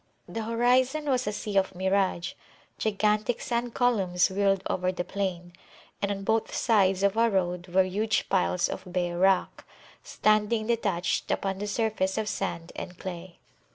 The horizon was a sea of mirage; gigantic sand columns whirled over the plain; and on both sides of our road were huge piles of bare rock, standing detached upon the surface of sand and clay.